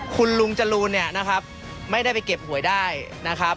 คุณลุงจรูนเนี่ยนะครับไม่ได้ไปเก็บหวยได้นะครับ